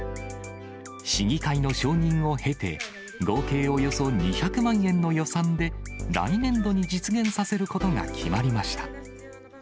市議会の承認を経て、合計およそ２００万円の予算で、来年度に実現させることが決まりました。